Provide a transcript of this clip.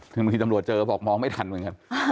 บางทีตำรวจเจอบอกมองไม่ทันเหมือนกัน